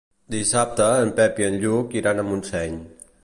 Dissabte en Pep i en Lluc iran a Montseny.